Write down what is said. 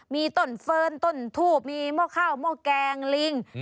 มีต้นเฟิร์นต้นทูบมีหม้อข้าวหม้อแกงลิง